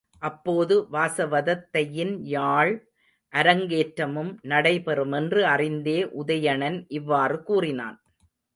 அப்போது வாசவதத்தையின் யாழ் அரங்கேற்றமும் நடைபெறுமென்று அறிந்தே உதயணன் இவ்வாறு கூறினான்.